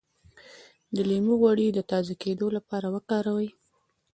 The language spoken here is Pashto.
د لیمو غوړي د تازه کیدو لپاره وکاروئ